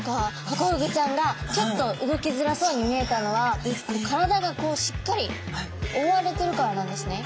ハコフグちゃんがちょっと動きづらそうに見えたのは体がしっかりおおわれてるからなんですね。